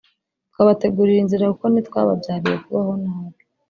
tukabategurira inzira kuko ntitwababyariye kubaho nabi